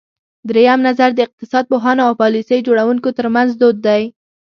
درېیم نظر د اقتصاد پوهانو او پالیسۍ جوړوونکو ترمنځ دود دی.